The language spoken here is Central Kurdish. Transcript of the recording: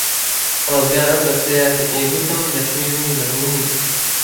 ڕزگار ئەو کەسەیە کە پێی گوتم نەشمیل منی بەدڵ نییە.